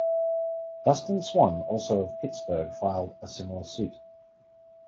Dustin Swann, also of Pittsburg, filed a similar suit.